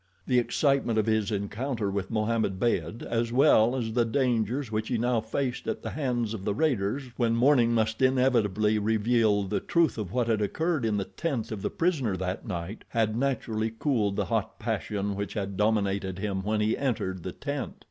The excitement of his encounter with Mohammed Beyd, as well as the dangers which he now faced at the hands of the raiders when morning must inevitably reveal the truth of what had occurred in the tent of the prisoner that night, had naturally cooled the hot passion which had dominated him when he entered the tent.